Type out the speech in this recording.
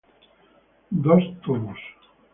Dos tomos.